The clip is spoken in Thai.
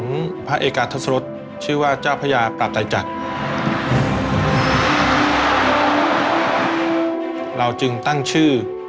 ชุดย่าวที่เราตั้งชื่อให้เนี่ยก็คือชัยานุภาพก็เป็นชื่อของเรานะครับ